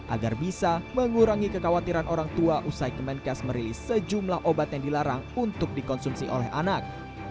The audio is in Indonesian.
agar bisa mengurangi kekhawatiran orang tua usai kemenkes merilis sejumlah obat yang dilarang untuk dikonsumsi oleh anak